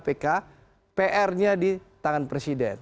saya akan menerbitkan perpu undang undang kpk di tangan presiden